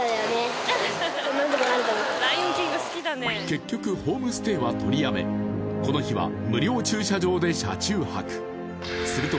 結局ホームステイは取りやめこの日は無料駐車場で車中泊すると